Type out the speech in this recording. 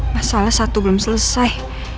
masalah satu belum selesai